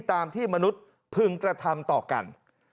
ตามที่มนุษย์พึงกระทำต่อกัน